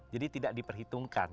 jadi tidak diperhitungkan